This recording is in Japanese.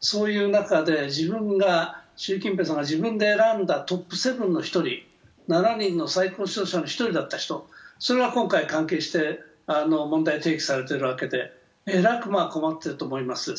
そういう中で、習近平さんが自分で選んだトップ７の１人、７人の最高指導者の一人だった人、それが今回関係して問題提起されているのでえらく困ってると思います。